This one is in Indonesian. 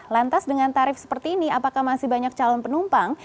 lantas dengan tarif seperti ini apakah masih banyak calon penumpang